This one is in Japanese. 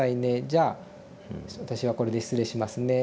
じゃあ私はこれで失礼しますね」